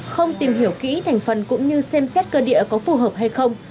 không tìm hiểu kỹ thành phần cũng như xem xét cơ địa có phù hợp hay không